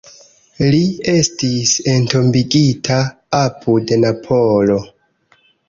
Li estis entombigita apud Napolo.